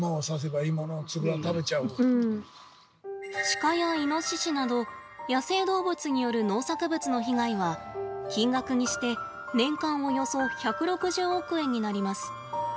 シカやイノシシなど野生動物による農作物の被害は金額にして年間およそ１６０億円になります。